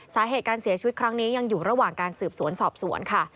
สาเหตุการเสียชีวิตครั้งนี้ยังอยู่ระหว่างการสืบสวนสอบสวนค่ะ